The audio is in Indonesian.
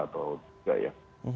atau tiga ya